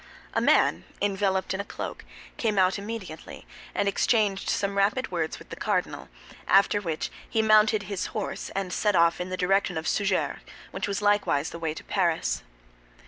A man, enveloped in a cloak, came out immediately, and exchanged some rapid words with the cardinal; after which he mounted his horse, and set off in the direction of Surgères, which was likewise the way to Paris.